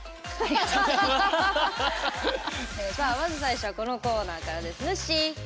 さあまず最初はこのコーナーからです。